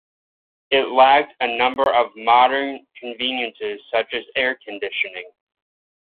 It lacked a number of modern conveniences, such as air conditioning.